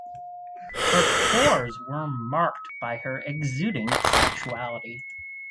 Her tours were marked by her exuding sexuality.